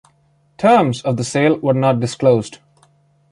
Terms of the sale were not disclosed.